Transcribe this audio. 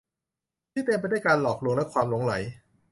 ที่เต็มไปด้วยการหลอกลวงและความหลงใหล